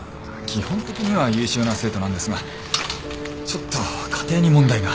基本的には優秀な生徒なんですがちょっと家庭に問題が。